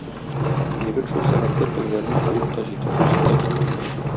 Егет шул сәгатьтә тегеләрне куып та җитә, узып та китә.